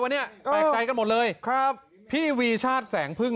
วะเนี่ยกันหมดเลยครับพี่วีชาติแสงพึ่ง